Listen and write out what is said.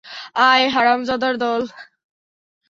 আয়, হারামজাদার দল।